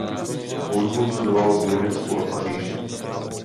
Hudbu studoval v Německu a v Paříži.